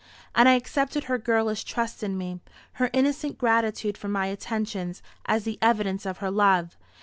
And I accepted her girlish trust in me, her innocent gratitude for my attentions, as the evidence of her love.